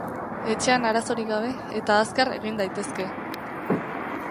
Etxean arazorik gabe eta azkar egin daitezke.